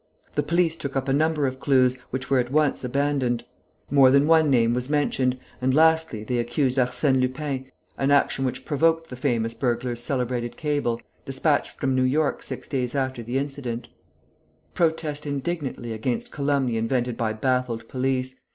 The police took up a number of clues, which were at once abandoned; more than one name was mentioned; and, lastly, they accused Arsène Lupin, an action which provoked the famous burglar's celebrated cable, dispatched from New York six days after the incident: "Protest indignantly against calumny invented by baffled police.